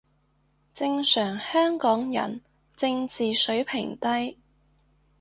正常台灣人正字水平低